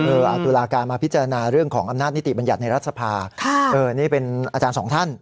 เอาตุลาการมาพิจารณาเรื่องของอำนาจนิติบัญญัติในรัฐสภานี่เป็นอาจารย์สองท่าน